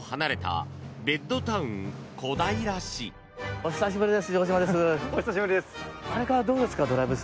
お久しぶりです。